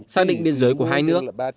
xác định biên giới của hai nước